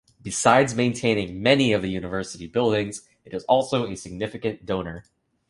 Besides maintaining many of the university buildings, it is also a significant donor.